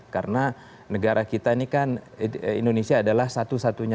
karena negara kita ini kan indonesia adalah satu satunya